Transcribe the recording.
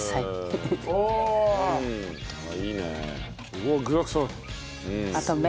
うわっ具だくさん！